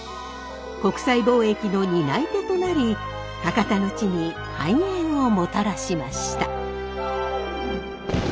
国際貿易の担い手となり博多の地に繁栄をもたらしました。